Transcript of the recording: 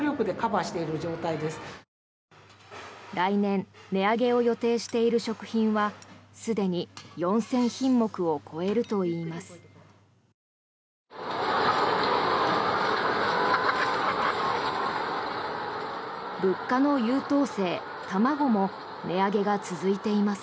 来年値上げを予定している食品はすでに４０００品目を超えるといいます。